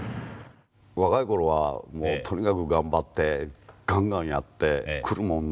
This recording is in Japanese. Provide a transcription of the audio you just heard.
若い頃はもうとにかく頑張ってガンガンやって来るもの